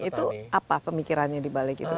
itu apa pemikirannya dibalik itu